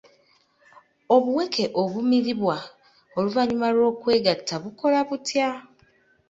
Obuweke obumiribwa oluvannyuma lw'okwegatta bukola butya?